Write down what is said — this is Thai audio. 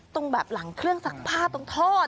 ตรงแบบหลังเครื่องซักผ้าตรงทอด